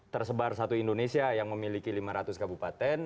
tersebar satu indonesia yang memiliki lima ratus kabupaten